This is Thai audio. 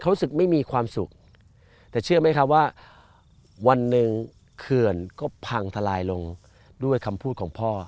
รู้สึกไม่มีความสุขแต่เชื่อไหมครับว่าวันหนึ่งเขื่อนก็พังทลายลงด้วยคำพูดของพ่อ